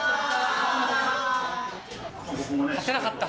勝てなかった。